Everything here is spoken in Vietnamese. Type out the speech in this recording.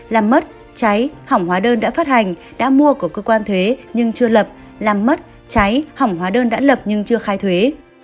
làm mất cháy hỏng hóa đơn đã phát hành đã mua của cơ quan thuế nhưng chưa lập làm mất cháy hỏng hóa đơn đã lập nhưng chưa khai thuế